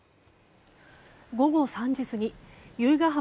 午後３時過ぎ由比ガ浜